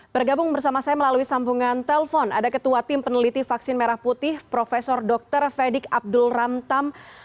bergabung bersama saya melalui sambungan telpon ada ketua tim peneliti vaksin merah putih prof dr fedik abdul ramtam